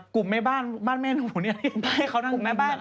กลุ่มแม่บ้านบ้านแม่หนูนี้ให้เขานั่งในบ้าน